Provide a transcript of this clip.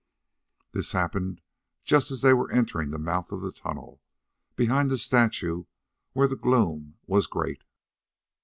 This happened just as they were entering the mouth of the tunnel, behind the statue where the gloom was great.